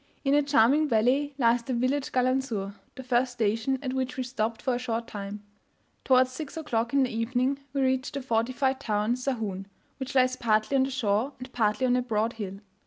In a charming valley lies the village Gallansur, the first station, at which we stopped for a short time. Towards 6 o'clock in the evening, we reached the fortified town Sahun, which lies partly on the shore, and partly on a broad hill.